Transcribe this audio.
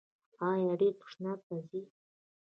ایا ډیر تشناب ته ځئ؟